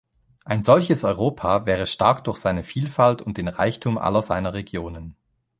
Ein solches Europa wäre stark durch seine Vielfalt und den Reichtum aller seiner Regionen.